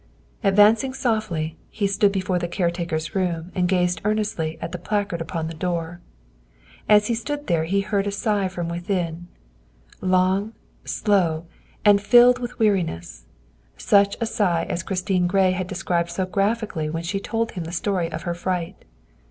Advancing softly, he stood before the caretaker's room and gazed earnestly at the placard upon the door. As he stood there he heard a sigh from within, long, slow, and filled with weariness, such a sigh as Christine Gray had described so graphically when she told him the story of her fright.